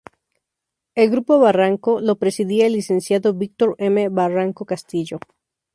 El "Grupo Barranco" lo presidía el licenciado Víctor M. Barranco Castillo.